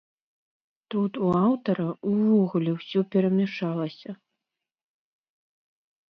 Тут у аўтара ўвогуле ўсё перамяшалася.